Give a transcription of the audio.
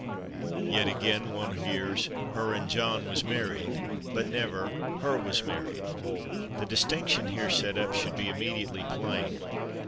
Yet again, one hears "/her/ and John was married," but never "/her/ was married." The distinction here set up should be immediately plain.